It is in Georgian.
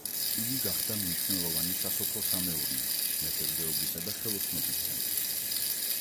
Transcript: იგი გახდა მნიშვნელოვანი სასოფლო-სამეურნეო, მეთევზეობისა და ხელოსნობის ცენტრი.